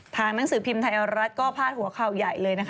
หนังสือพิมพ์ไทยรัฐก็พาดหัวข่าวใหญ่เลยนะคะ